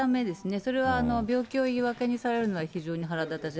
それは病気を言い訳にされるのは、非常に腹立たしい。